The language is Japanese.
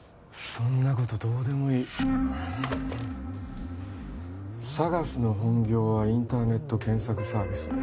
そんなことどうでもいいＳＡＧＡＳの本業はインターネット検索サービス